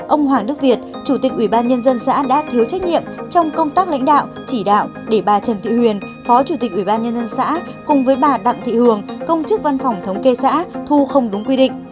ông hoàng đức việt chủ tịch ủy ban nhân dân xã đã thiếu trách nhiệm trong công tác lãnh đạo chỉ đạo để bà trần thị huyền phó chủ tịch ủy ban nhân dân xã cùng với bà đặng thị hường công chức văn phòng thống kê xã thu không đúng quy định